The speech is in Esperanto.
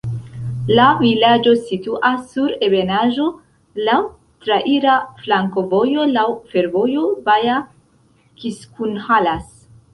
La vilaĝo situas sur ebenaĵo, laŭ traira flankovojo, laŭ fervojo Baja-Kiskunhalas.